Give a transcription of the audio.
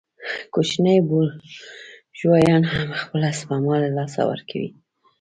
کوچني بورژوایان هم خپله سپما له لاسه ورکوي